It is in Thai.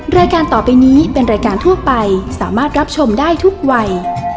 รายการต่อไปนี้เป็นรายการทั่วไปสามารถรับชมได้ทุกวัย